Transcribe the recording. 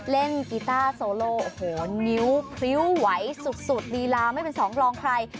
กีต้าโซโลโอ้โหนิ้วพริ้วไหวสุดลีลาไม่เป็นสองรองใคร